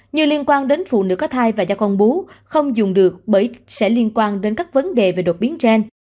như liên quan đến phụ nữ có thai và do con bú không dùng được bởi sẽ liên quan đến các vấn đề về đột biến gen